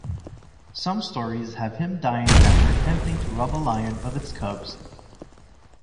Some stories have him dying after attempting to rob a lion of its cubs.